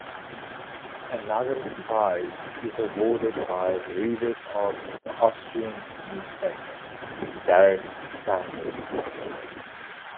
Another prize is awarded by the readers of the Austrian newspaper "Der Standard".